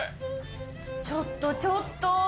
ちょっとちょっと！